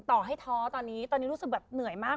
ต่อให้ท้อตอนนี้ตอนนี้รู้สึกแบบเหนื่อยมาก